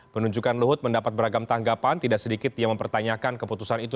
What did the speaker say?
penunjukan luhut mendapat beragam tanggapan tidak sedikit yang mempertanyakan keputusan itu